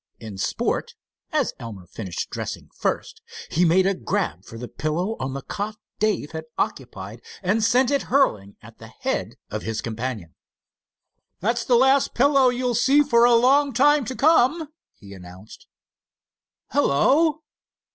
In sport, as Elmer finished dressing first, he made a grab for the pillow on the cot Dave had occupied and sent it hurtling at the head of his companion. "That's the last pillow you'll see for a long time to come," he announced. "Hello!